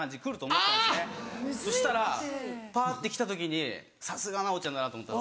そしたらぱって来た時にさすが奈央ちゃんだなと思った。